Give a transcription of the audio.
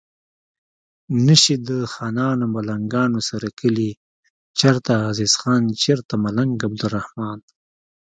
نشي د خانانو ملنګانو سره کلي چرته عزیز خان چرته ملنګ عبدالرحمان